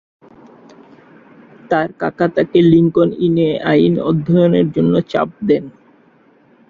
তাঁর কাকা তাঁকে লিংকন ইন এ আইন অধ্যয়নের জন্য চাপ দেন।